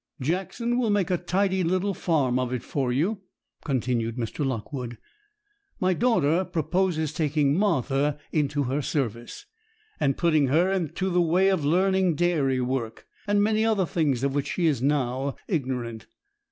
'Jackson will make a tidy little farm of it for you,' continued Mr. Lockwood. 'My daughter proposes taking Martha into her service, and putting her into the way of learning dairy work, and many other things of which she is now ignorant.